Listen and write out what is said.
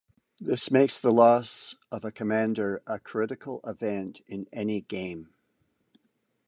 This makes the loss of a Commander a critical event in any game.